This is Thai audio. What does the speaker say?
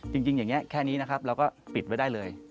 จริงอย่างนี้แค่นี้นะครับเราก็ปิดไว้ได้เลย